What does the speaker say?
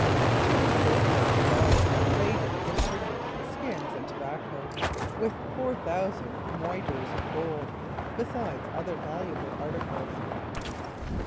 She was a very rich prize, laden with sugar, skins, and tobacco, with four thousand moidores of gold, besides other valuable articles.